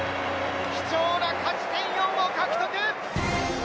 貴重な勝ち点４を獲得！